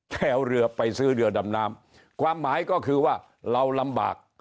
จะเอาเรือไปซื้อเรือดำน้ำความหมายก็คือว่าเราลำบาก